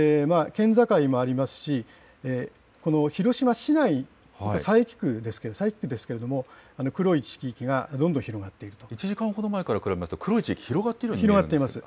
県境もありますし、この広島市内、佐伯区ですけれども、佐伯地区ですけれども、どんどん広がってい１時間ほど前から比べますと黒い地域、広がっているように見えますね。